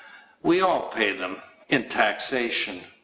We all pay them in taxation.